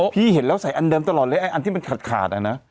พี่เห็นแล้วใส่อันเดิมตลอดเลยไอ้อันที่มันขาดอะนะ